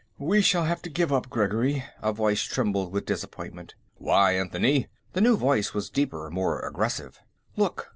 "We shall have to give up, Gregory," a voice trembled with disappointment. "Why, Anthony?" The new voice was deeper, more aggressive. "Look.